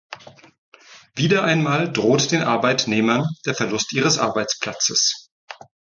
Wieder einmal droht den Arbeitnehmern der Verlust ihres Arbeitsplatzes.